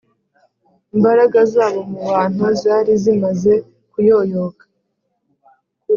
. Imbaraga zabo mu bantu zari zimaze kuyoyoka